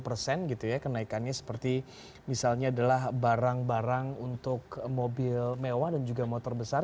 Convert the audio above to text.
berikutnya kita lihat barang barangnya seperti misalnya barang barang untuk mobil mewah dan juga motor besar